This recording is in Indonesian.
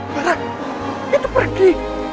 faridah itu pergi